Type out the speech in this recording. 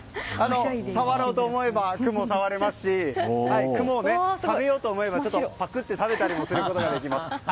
触ろうと思えば雲を触れますし食べようと思えばパクって食べることもできます。